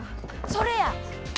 それや！